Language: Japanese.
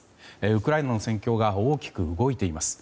ウクライナの戦況が大きく動いています。